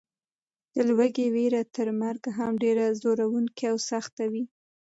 د لوږې وېره تر مرګ هم ډېره ځوروونکې او سخته وي.